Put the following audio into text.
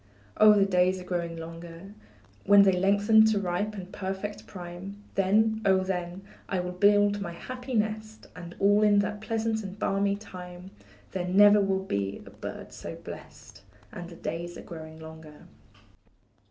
Oh, the days are growing longer; When they lengthen to ripe and perfect prime, Then, oh, then, I will build my happy nest; And all in that pleasant and balmy time, There never will be a bird so blest; And the days are growing longer.